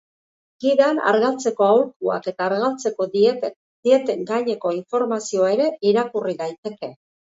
Gidan argaltzeko aholkuak eta argaltzeko dieten gaineko informazioa ere irakurri daiteke.